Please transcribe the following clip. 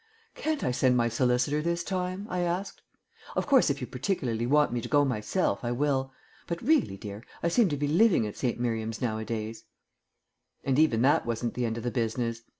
"Can't I send my solicitor this time?" I asked. "Of course, if you particularly want me to go myself, I will. But really, dear, I seem to be living at St. Miriam's nowadays." And even that wasn't the end of the business.